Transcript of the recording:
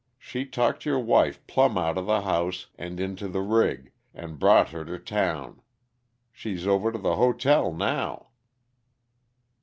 She talked your wife plumb outa the house and into the rig, and brought her to town. She's over to the hotel now."